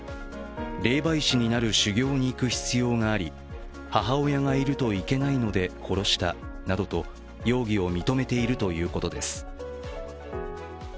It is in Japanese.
霊媒師になる修行にいく必要があり母親がいるといけないので殺したなどと容疑を認めているということです。